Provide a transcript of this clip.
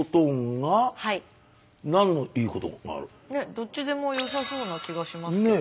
どっちでもよさそうな気がしますけど。